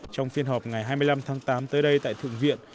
trong phiên họp ngày hai mươi năm tháng tám tới đây tại thượng viện